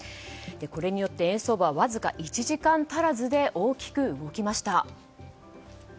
これによって円相場はわずか１時間足らずで大きく動きました。